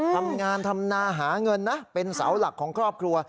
ทำงานทำนาหาเงินนะเป็นเสาหลักของครอบครัว